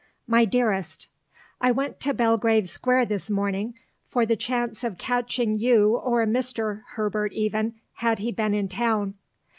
MY DEAREST I went to Belgrave Square this morning for the chance of catching you or Mr. Herbert even, had he been in town.